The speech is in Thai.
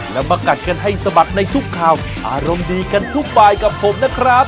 แล้วมากัดกันให้สะบัดในทุกข่าวอารมณ์ดีกันทุกบายกับผมนะครับ